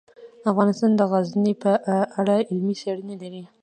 افغانستان د غزني په اړه علمي څېړنې لري.